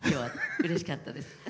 うれしかったです。